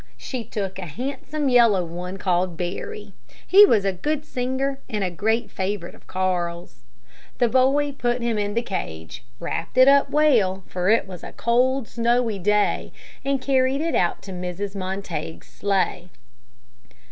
She took a handsome, yellow one, called Barry. He was a good singer, and a great favorite of Carl's. The boy put him in the cage, wrapped it up well, for it was a cold, snowy day, and carried it out to Mrs. Montague's sleigh.